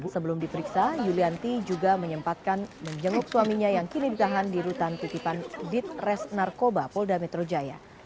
sebelum diperiksa yulianti juga menyempatkan menjenguk suaminya yang kini ditahan di rutan titipan ditres narkoba polda metro jaya